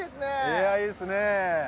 いやあいいっすねえ